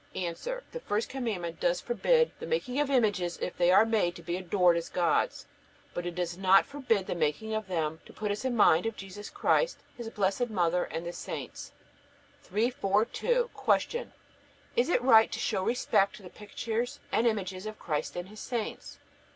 A. The first Commandment does forbid the making of images if they are made to be adored as gods, but it does not forbid the making of them to put us in mind of Jesus Christ, His Blessed Mother, and the saints. 342. Q. Is it right to show respect to the pictures and images of Christ and His saints?